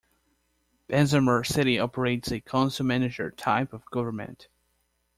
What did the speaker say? Bessemer City operates a Council-Manager type of government.